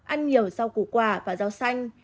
ăn nhiều rau củ quả và rau xanh